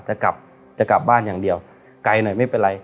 จะกลับจะกลับบ้านอย่างเดียวไกลหน่อยไม่เป็นไร